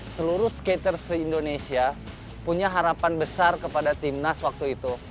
seluruh skater se indonesia punya harapan besar kepada timnas waktu itu